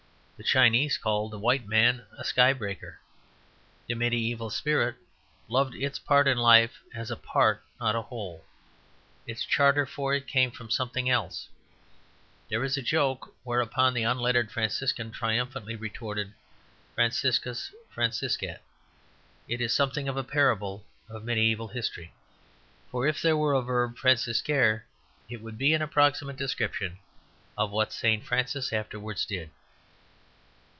The Chinese called the white man "a sky breaker." The mediæval spirit loved its part in life as a part, not a whole; its charter for it came from something else. There is a joke about a Benedictine monk who used the common grace of Benedictus benedicat, whereupon the unlettered Franciscan triumphantly retorted Franciscus Franciscat. It is something of a parable of mediæval history; for if there were a verb Franciscare it would be an approximate description of what St. Francis afterwards did.